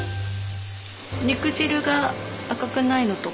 肉汁が赤くないのとか